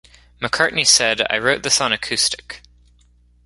McCartney said, I wrote this on acoustic.